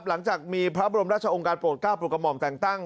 หลังจากมีพระบรมราชองค์การโปรดก้าวโปรดกระหม่อมแต่งตั้ง